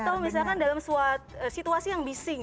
atau misalkan dalam suatu situasi yang bising